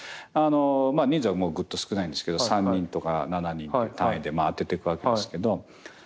人数はぐっと少ないんですけど３人とか７人とかいう単位で充ててくわけですけど。